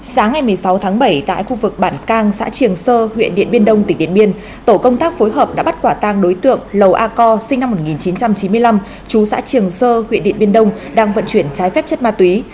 sáng ngày một mươi sáu tháng bảy tại khu vực bản cang xã triềng sơ huyện điện biên đông tỉnh điện biên tổ công tác phối hợp đã bắt quả tang đối tượng lầu a co sinh năm một nghìn chín trăm chín mươi năm chú xã trường sơ huyện điện biên đông đang vận chuyển trái phép chất ma túy